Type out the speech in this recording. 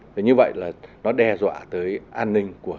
và như vậy là nó đe dọa tới an ninh của